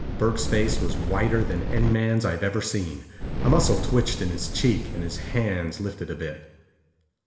Burke's face was whiter than any man's I've ever seen. A muscle twitched in his cheek, and his hands lifted a bit.